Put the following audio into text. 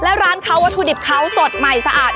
แล้วร้านเขาวัตถุดิบเขาสดใหม่สะอาด